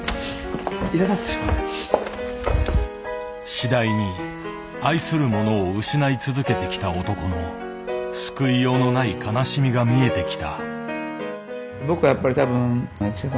次第に愛するものを失い続けてきた男の救いようのない悲しみが見えてきた。